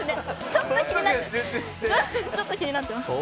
ちょっと気になってます。